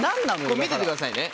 これ見ててくださいね。